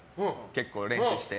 結構練習して。